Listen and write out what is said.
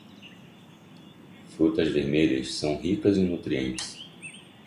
Frutas vermelhas são ricas em nutrientes.